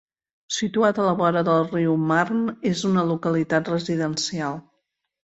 Situat a la vora del riu Marne, és una localitat residencial.